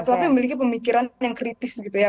tapi memiliki pemikiran yang kritis gitu ya